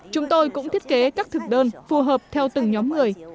chúng tôi cũng thiết kế các thực đơn phù hợp theo từng nhóm người